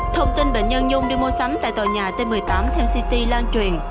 thông tin bệnh nhân dung đi mua sắm tại tòa nhà t một mươi tám tham city lan truyền